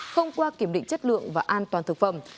không qua kiểm định chất lượng và an toàn thực phẩm